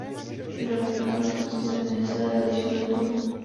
Požadavky na vlastnosti zeminy se liší dle druhu.